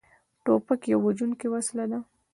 توپک یوه وژونکې وسلې ده.